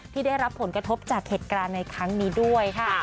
ที่ได้รับผลกระทบจากเหตุการณ์ในครั้งนี้ด้วยค่ะ